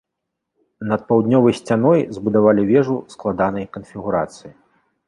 Над паўднёвай сцяной збудавалі вежу складанай канфігурацыі.